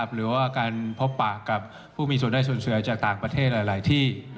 หรือว่าการพบปะกับผู้มีส่วนได้ส่วนเสียจากต่างประเทศหลายที่